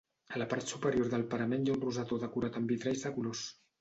A la part superior del parament hi ha un rosetó decorat amb vitralls de colors.